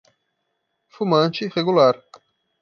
Fumante regular